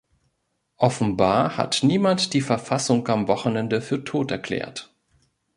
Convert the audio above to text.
Offenbar hat niemand die Verfassung am Wochenende für tot erklärt.